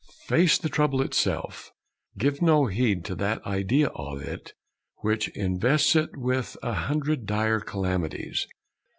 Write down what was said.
Face the trouble itself; give no heed to that idea of it which invests it with a hundred dire calamities.